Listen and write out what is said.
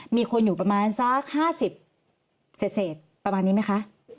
มีคนอยู่ประมาณสัก๕๐เศษประมาณนี้ไหมคะ